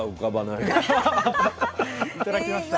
いただきました。